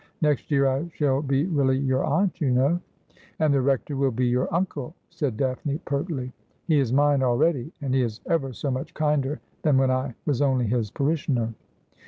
Next year I shall be really your aunt, you know.' ' And the Rector will be your uncle,' said Daphne pertly. ' He is mine already, and he is ever so much kinder than when I was only his parishioner.'